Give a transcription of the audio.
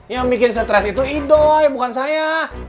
yang bikin stres itu idoy bukan saya